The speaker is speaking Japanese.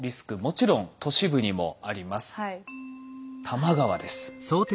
多摩川です。